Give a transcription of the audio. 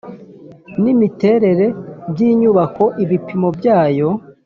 n imiterere by inyubako ibipimo byayo